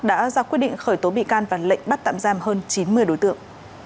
đã ra quyết định khởi tố bị can và lệnh bắt tạm giam hơn chín mươi đối tượng